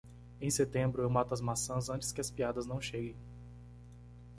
Em setembro, eu mato as maçãs antes que as piadas não cheguem.